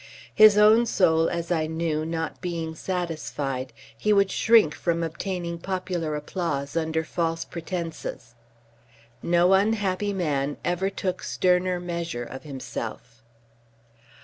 His own soul, as I knew, not being satisfied, he would shrink from obtaining popular applause under false pretences. No unhappy man ever took sterner measure of himself.